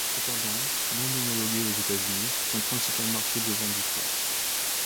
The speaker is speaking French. Cependant, non homologuée aux États-Unis, son principal marché de vente disparaît.